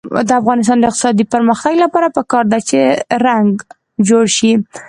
د افغانستان د اقتصادي پرمختګ لپاره پکار ده چې رنګ جوړ شي.